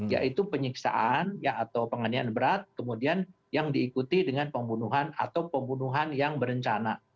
yaitu penyiksaan atau penganian berat kemudian yang diikuti dengan pembunuhan atau pembunuhan yang berencana